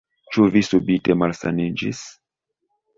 Ĉu vi subite malsaniĝis?